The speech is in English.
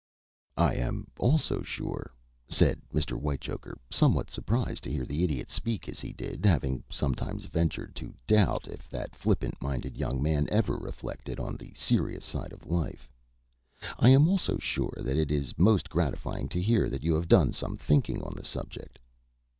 "I am also sure," said Mr. Whitechoker, somewhat surprised to hear the Idiot speak as he did, having sometimes ventured to doubt if that flippant minded young man ever reflected on the serious side of life "I am also sure that it is most gratifying to hear that you have done some thinking on the subject."